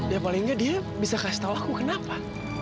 ya paling nggak dia bisa kasih tahu aku kenapa